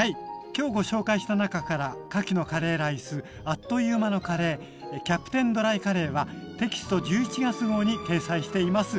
今日ご紹介した中からかきのカレーライスアッという間のカレーキャプテンドライカレーはテキスト１１月号に掲載しています。